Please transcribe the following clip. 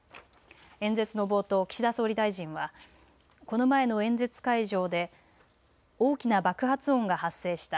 演説の冒頭、岸田総理大臣はこの前の演説会場で大きな爆発音が発生した。